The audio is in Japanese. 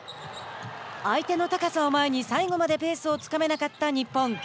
相手の高さを前に最後までペースをつかめなかった日本。